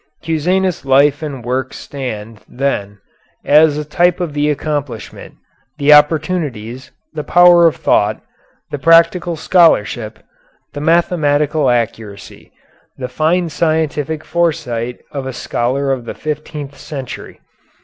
Cusanus' life and work stand, then, as a type of the accomplishment, the opportunities, the power of thought, the practical scholarship, the mathematical accuracy, the fine scientific foresight of a scholar of the fifteenth century.